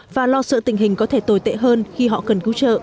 và lo sợ tình hình có thể tồi tệ hơn khi họ cần cứu trợ